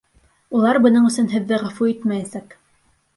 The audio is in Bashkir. Улар бының өсөн һеҙҙе ғәфү итмәйәсәк!